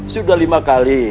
sudah lima kali